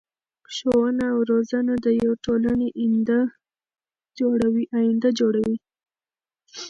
ښوونه او روزنه د يو ټولنی اينده جوړوي .